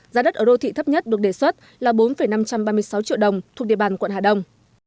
giá đất ở đô thị thấp nhất được đề xuất là bốn năm trăm ba mươi sáu triệu đồng thuộc địa bàn quận hà đông